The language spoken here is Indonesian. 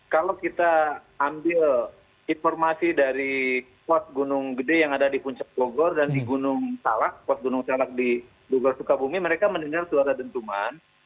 kalau kita ambil informasi dari kuat gunung gede yang ada di puncak bogor dan di gunung salak pot gunung salak di duga sukabumi mereka mendengar suara dentuman